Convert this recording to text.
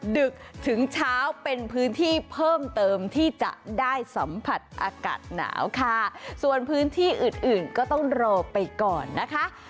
ดึกถึงเช้าเป็นพื้นที่เพิ่มเติมที่จะได้สัมผัสอากาศหนาวค่ะส่วนพื้นที่อื่นอื่นก็ต้องรอไปก่อนนะคะ